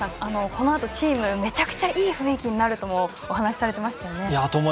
このあとチームはめちゃくちゃいい雰囲気になるとお話しされました。